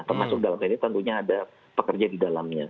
termasuk dalam ini tentunya ada pekerja di dalamnya